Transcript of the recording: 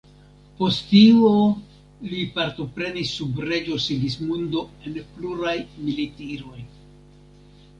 Post tio li partoprenis sub reĝo Sigismundo en pluraj militiroj.